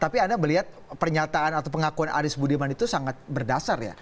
tapi anda melihat pernyataan atau pengakuan aris budiman itu sangat berdasar ya